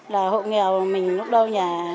là hộ nghèo mình lúc đầu nhà